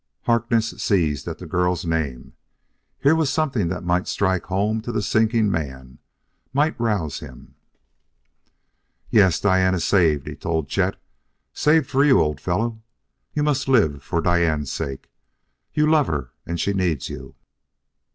Harkness seized at the girl's name. Here was something that might strike home to the sinking man; might rouse him. "Yes, Diane is saved," he told Chet: "saved for you, old fellow. You must live for Diane's sake. You love her, and she needs you."